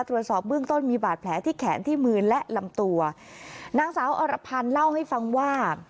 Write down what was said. ตรวจสอบเบื้องต้นมีบาดแผลที่แขนที่มือและลำตัวนางสาวอรพันธ์เล่าให้ฟังว่า